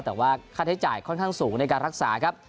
แต่ว่าค่าใช้จ่ายค่อนข้างสูงในการรักษาครับ